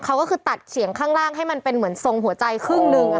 เขาก็คือตัดเขียงข้างล่างให้มันเป็นเหมือนทรงหัวใจครึ่งหนึ่ง